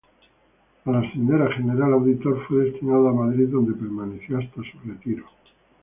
Al ascender a General Auditor fue destinado a Madrid, donde permaneció hasta su retiro.